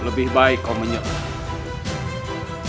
lebih baik kau menyerah